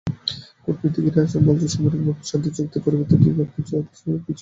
কূটনীতিকেরা বলছেন, সামগ্রিক শান্তিচুক্তির পরিবর্তে দুই পক্ষই চাচ্ছে কিছু কিছু এলাকায় যুদ্ধবিরতি হোক।